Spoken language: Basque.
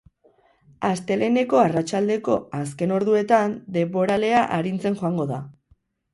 Asteleheneko arratsaldeko azken orduetan denboralea arintzen joango da.